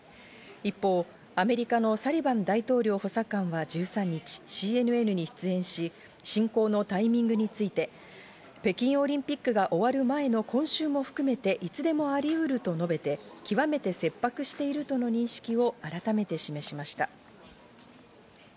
一方、アメリカのサリバン大統領補佐官は１３日、ＣＮＮに出演し、侵攻のタイミングについて北京オリンピックが終わる前の今週も含めて、いつでもありうると述べて、極めて切迫しているとの認識を改めて示しました。